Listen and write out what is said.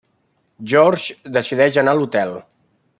George decideix anar a l'hotel.